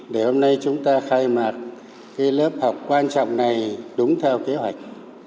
để hôm nay chúng ta khai mạc cái lớp học quan trọng này đúng theo kế hoạch